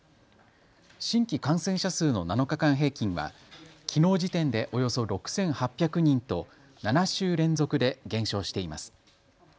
新規感染者数の７日間平均はきのう時点でおよそ６８００人と７週連続で減少しています。